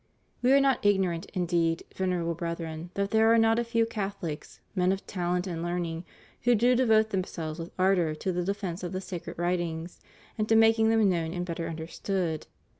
We are not igno rant, indeed, Venerable Brethren, that there are not a few Catholics, men of talent and learning, who do devote them selves with ardor to the defence of the sacred writings and to making them known and better understood.